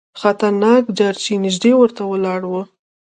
خطرناک جارچي نیژدې ورته ولاړ وو.